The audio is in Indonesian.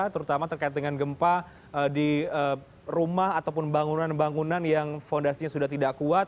terutama terkait dengan gempa di rumah ataupun bangunan bangunan yang fondasinya sudah tidak kuat